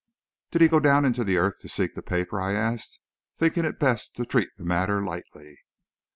"Did he go down into the earth to seek the paper?" I asked, thinking it best to treat the matter lightly.